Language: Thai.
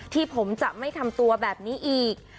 ที่ผมจะไม่ทำตัวแบบนี้อีก